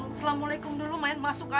assalamualaikum dulu main masuk